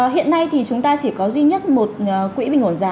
hiện nay thì chúng ta chỉ có duy nhất một quỹ bình ổn giá